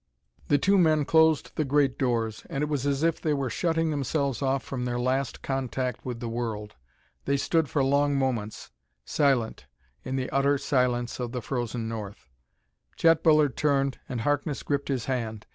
The two men closed the great doors, and it was as if they were shutting themselves off from their last contact with the world. They stood for long moments, silent, in the utter silence of the frozen north. Chet Bullard turned, and Harkness gripped his hand.